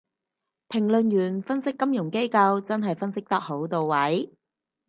評論員分析金融機構真係分析得好到位